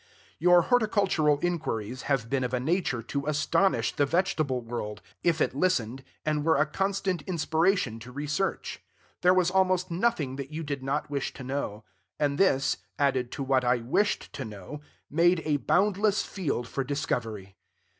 Your horticultural inquiries have been of a nature to astonish the vegetable world, if it listened, and were a constant inspiration to research. There was almost nothing that you did not wish to know; and this, added to what I wished to know, made a boundless field for discovery.